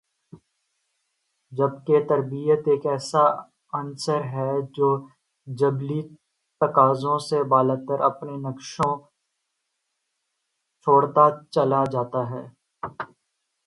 جبکہ تربیت ایک ایسا عنصر ہے جو جبلی تقاضوں سے بالاتر اپنے نقوش چھوڑتا چلا جاتا ہے